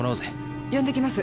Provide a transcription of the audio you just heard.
呼んで来ます。